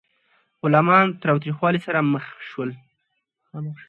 غلامان تاوتریخوالي سره مخامخ شول.